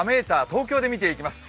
東京で見ていきます。